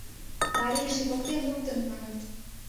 Марийже поктен луктын, маныт.